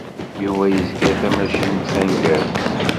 Yuba yezgel tamacint taneggarut.